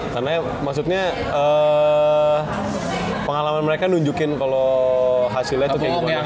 karena maksudnya pengalaman mereka nunjukin kalau hasilnya itu kayak gimana